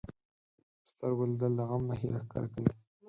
په سترګو لیدل د غم نښې راښکاره کوي